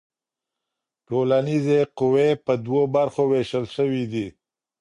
ټولنیزې قوې په دوو برخو ویشل سوي دي.